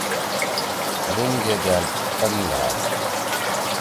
لین گے دیأل پن لھأد۔